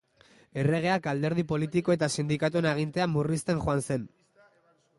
Erregeak alderdi politiko eta sindikatuen agintea murrizten joan zen.